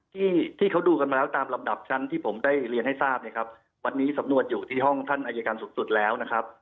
ที่ที่เขาดูกันมาแล้วตามลำดับชั้นที่ผมได้เรียนให้ทราบเนี่ยครับวันนี้สำนวนอยู่ที่ห้องท่านอายการสูงสุดแล้วนะครับ